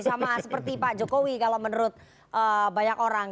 sama seperti pak jokowi kalau menurut banyak orang